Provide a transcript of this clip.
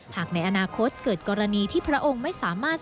ในอนาคตเกิดกรณีที่พระองค์ไม่สามารถ